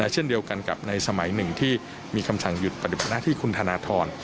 เช่นเดียวกันกับในสมัยหนึ่งที่มีคำสั่งหยุดปฏิบัติหน้าที่คุณธนทร